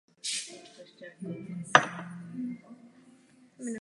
Doplňovací volby se konaly z důvodu úmrtí dosavadního senátora Václava Bendy.